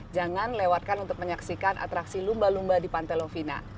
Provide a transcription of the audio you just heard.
jangan lewatkan untuk menyaksikan atraksi lumba lumba di pantai lovina